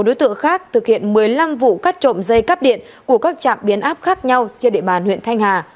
sáu đối tượng khác thực hiện một mươi năm vụ cắt trộm dây cắp điện của các trạm biến áp khác nhau trên địa bàn huyện thanh hà